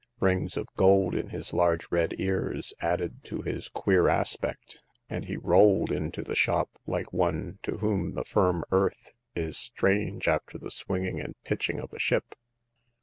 Rings of gold in his large red ears added to his queer aspect ; and he rolled into the shop like one to whom the firm earth is strange after the swinging and pitching of a ship.